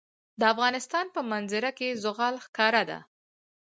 د افغانستان په منظره کې زغال ښکاره ده.